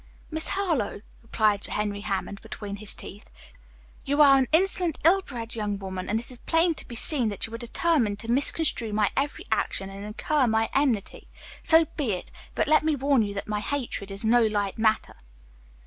"Miss Harlowe," replied Henry Hammond between his teeth, "you are an insolent, ill bred young woman, and it is plain to be seen that you are determined to misconstrue my every action and incur my enmity. So be it, but let me warn you that my hatred is no light matter."